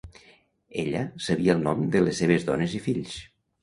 Ella sabia el nom de les seves dones i fills.